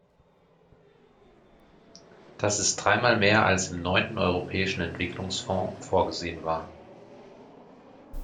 Das ist dreimal mehr, als im neunten Europäischen Entwicklungsfonds vorgesehen war.